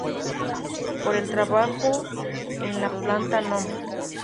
Por el trabajo en la Planta Nom.